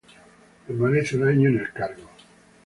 Permanece un año en el cargo.